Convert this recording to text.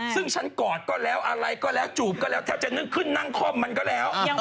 ซึ่งฉันกอดก็แล้วอะไรก็แล้วจูบก็แล้วแทบจะนึกขึ้นนั่งคล่อมมันก็แล้ว